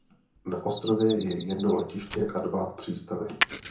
Na ostrově je jedno letiště a dva přístavy.